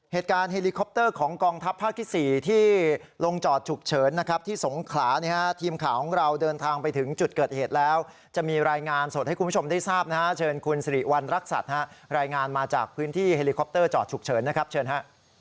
เหตุการณ์เฮลิคอปเตอร์ของกองทัพภาคที่๔ที่ลงจอดฉุกเฉินนะครับที่สงขลาเนี่ยฮะทีมข่าวของเราเดินทางไปถึงจุดเกิดเหตุแล้วจะมีรายงานสดให้คุณผู้ชมได้ทราบนะฮะเชิญคุณสิริวัณรักษัตริย์รายงานมาจากพื้นที่เฮลิคอปเตอร์จอดฉุกเฉินนะครับเชิญฮะ